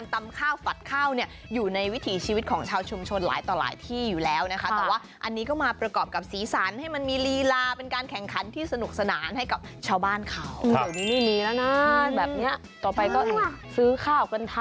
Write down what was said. ต่อไปก็ซื้อข้าวกันทานแล้ว